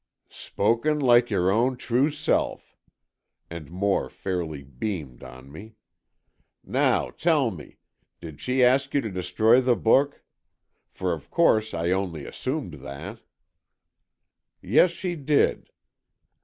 "Spoken like your own true self," and Moore fairly beamed on me. "Now, tell me, did she ask you to destroy the book? For of course I only assumed that." "Yes, she did.